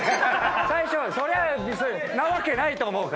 最初それはなわけないと思うから。